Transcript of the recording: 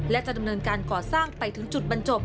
และจะดำเนินการก่อสร้างไปถึงจุดบรรจบ